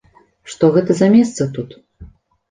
Што гэта за месца тут?